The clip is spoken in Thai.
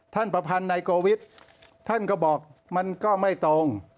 ประพันธ์นายโกวิทย์ท่านก็บอกมันก็ไม่ตรง